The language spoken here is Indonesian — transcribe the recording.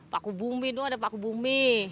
paku bumi itu ada paku bumi